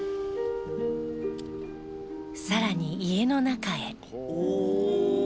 更に、家の中へ。